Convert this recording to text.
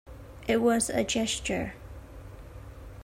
It was a gesture.